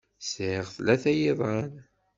Sɛiɣ tlata n yiḍan.